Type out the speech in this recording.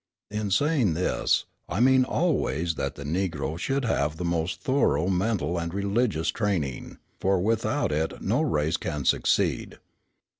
In saying this, I mean always that the Negro should have the most thorough mental and religious training; for without it no race can succeed.